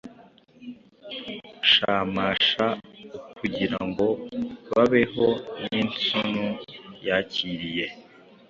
Shamash ukugira ngo babeho Ninsun yakiriye